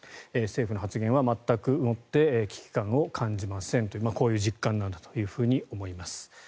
政府の発言は全くもって危機感を感じませんというこういう実感なんだと思います。